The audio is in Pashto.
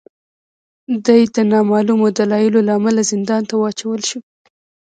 دای د نامعلومو دلایلو له امله زندان ته واچول شو.